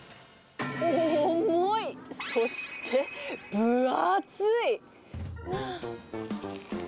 重い、そして、分厚い。